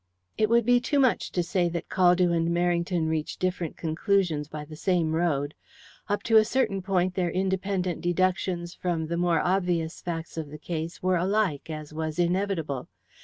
It would be too much to say that Caldew and Merrington reached different conclusions by the same road. Up to a certain point their independent deductions from the more obvious facts of the case were alike, as was inevitable.